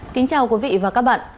kính chào quý vị và các bạn